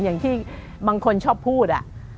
อย่างที่บางคนชอบพูด